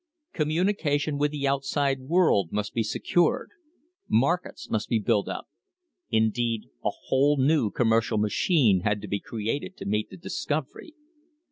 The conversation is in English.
Communication with the outside world must be secured. Markets must be built up. Indeed, a whole new commercial machine had to be created to meet the discovery.